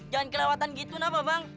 jangan kelewatan gitu napa bang